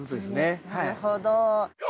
なるほど。